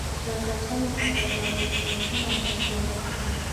Զարգացան ու կատարելագործուեցան արհեստները։